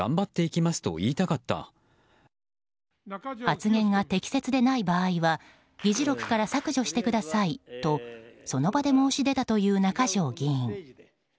発言が適切でない場合は議事録から削除してくださいとその場で申し出たという中条議員。